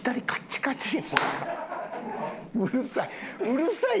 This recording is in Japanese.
うるさい。